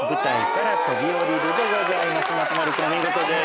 松丸君お見事です。